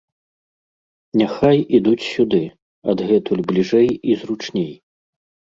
Няхай ідуць сюды, адгэтуль бліжэй і зручней.